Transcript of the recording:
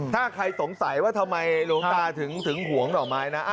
ถ้าใครสงสัยว่าทำไมหลวงตาถึงหวงดอกไม้นะ